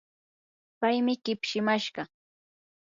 paymi kipshimashqa.